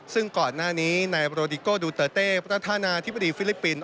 ซึ่งก่อนหน้านี้นายโรดิโกดูเตอร์เต้ประธานาธิบดีฟิลิปปินส